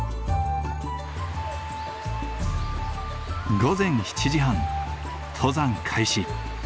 午前７時半登山開始。